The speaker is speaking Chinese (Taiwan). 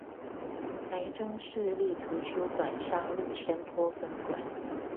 臺中市立圖書館沙鹿深波分館